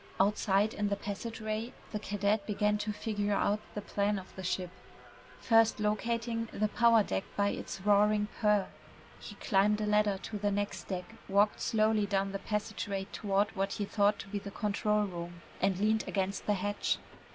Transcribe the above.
Outside in the passageway, the cadet began to figure out the plan of the ship, first locating the power deck by its roaring purr. He climbed a ladder to the next deck, walked slowly down the passageway toward what he thought to be the control room, and leaned against the hatch.